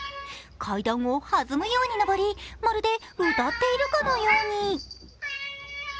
階段を弾むように上り、まるで歌っているかのように。